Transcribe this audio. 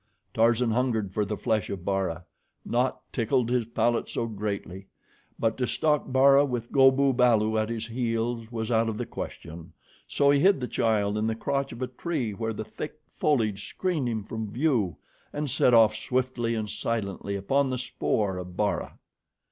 Tarzan hungered for the flesh of Bara. Naught tickled his palate so greatly; but to stalk Bara with Go bu balu at his heels, was out of the question, so he hid the child in the crotch of a tree where the thick foliage screened him from view, and set off swiftly and silently upon the spoor of Bara.